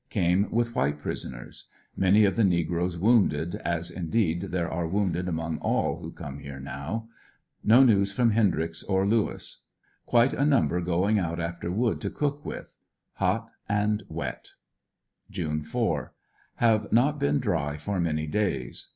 Came with white prisoners Many of the negroes wounded, as, indeed, there are wounded among all who come here now. No news from Hendryx or Lewis. Quite a num ber going out after wood to cook with Hot and wet. June 4. — Plave not been dry for many days.